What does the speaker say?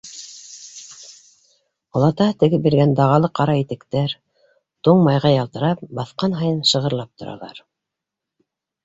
Олатаһы тегеп биргән дағалы ҡара итектәр, туң майға ялтырап, баҫҡан һайын шығырлап торалар.